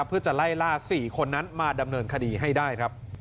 เพื่อจะไล่ล่า๔คนนั้นมาดำเนินคดีให้ได้ครับ